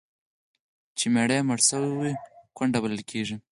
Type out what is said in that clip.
چي میړه یې مړ سوی وي، کونډه بلل کیږي.